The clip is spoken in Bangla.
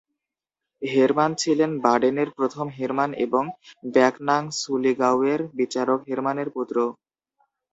হের্মান ছিলেন বাডেনের প্রথম হের্মান এবং ব্যাকনাং-সুলিগাউয়ের বিচারক হের্মানের পুত্র।